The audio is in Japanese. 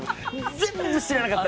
全然知らなかった。